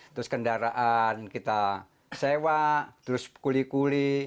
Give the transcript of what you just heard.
terus kendaraan kita sewa terus kuli kuli